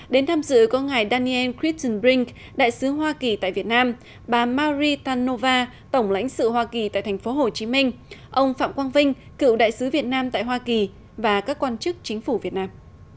đến tham dự có ngài daniel christenbrink đại sứ hoa kỳ tại việt nam bà marithanova tổng lãnh sự hoa kỳ tại tp hcm ông phạm quang vinh cựu đại sứ việt nam tại hoa kỳ và các quan chức chính phủ việt nam